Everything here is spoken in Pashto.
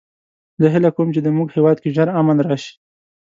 زه هیله کوم چې د مونږ هیواد کې ژر امن راشي